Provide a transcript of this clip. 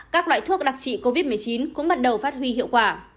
các loại thuốc đặc trị covid một mươi chín cũng bắt đầu phát huy hiệu quả